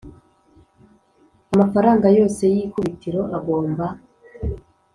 Amafaranga yose y ikubitiro agomba